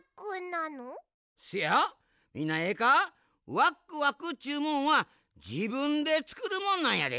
ワックワクっちゅうもんはじぶんでつくるもんなんやで。